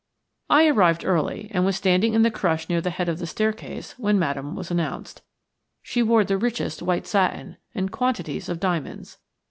I arrived early, and was standing in the crush near the head of the staircase when Madame was announced. She wore the richest white satin and quantities of diamonds.